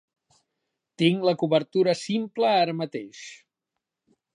Tinc la cobertura simple ara mateix.